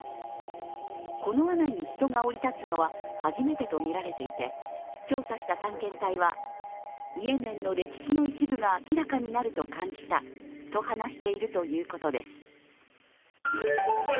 この穴に人が降り立つのは初めてとみられていて調査した探検隊は、イエメンの歴史の一部が明らかになると感じたと話しているということです。